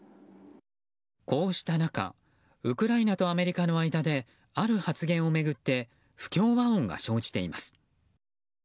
こうした中ウクライナとアメリカの間である発言を巡って不協和音が生じています。